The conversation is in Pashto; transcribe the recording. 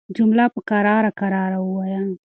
جمله په کراره کراره وايه